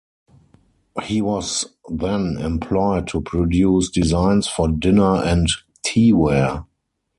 He was then employed to produce designs for dinner and teaware.